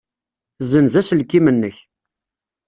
Ssenz aselkim-nnek.